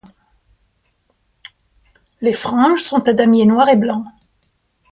Les franges sont à damier noir et blanc.